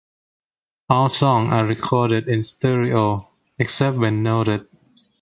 All songs are recorded in stereo, except where noted.